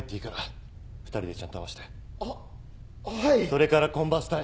それからコンバス隊。